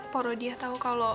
poro dia tau kalo